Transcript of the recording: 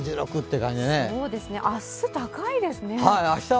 明日、高いですね。